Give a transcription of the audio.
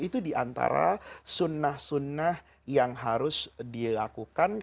itu diantara sunnah sunnah yang harus dilakukan